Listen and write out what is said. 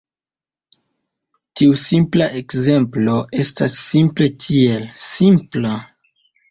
Tiu simpla ekzemplo estas simple tiel: simpla.